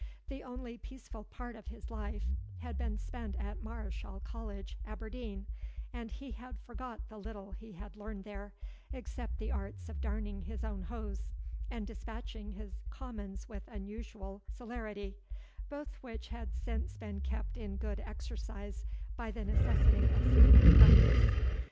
The only peaceful part of his life had been spent at Mareschal College, Aberdeen; and he had forgot the little he had learned there, except the arts of darning his own hose, and dispatching his commons with unusual celerity, both which had since been kept in good exercise by the necessity of frequent practice.